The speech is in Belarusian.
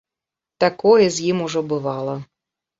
Такое з ім ужо бывала.